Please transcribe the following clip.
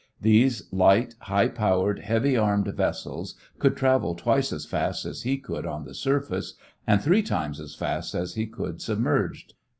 These light, high powered, heavily armed vessels could travel twice as fast as he could on the surface and three times as fast as he could submerged.